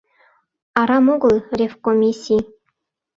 Арам огыл ревкомиссий